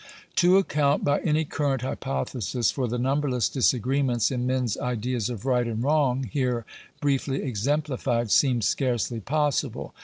To account, by any current hypothesis, for the numberless disagreements in men's ideas of right and wrong here briefly exemplified, seems scarcely possible.